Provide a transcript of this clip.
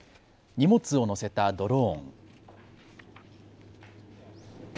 荷物を載せたドローン。